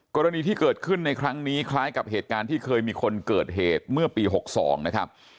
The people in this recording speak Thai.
กรณีที่เกิดขึ้นในครั้งนี้คล้ายกับเหตุการณ์ที่เคยมีคนเกิดเหตุเมื่อปี๖๒นะครับ